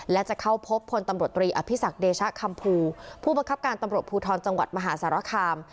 และจะเข้าพบพลตำรวจตรีอภิษักเดชะคำภูผู้บังคับการตำรวจภูทรจังหวัดมหาสารคาม